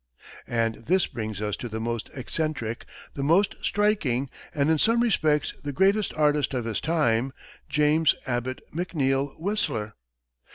And this brings us to the most eccentric, the most striking, and in some respects the greatest artist of his time James Abbott McNeill Whistler.